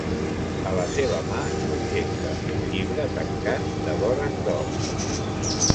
A la seva mà subjecta un llibre tancat de vores d'or.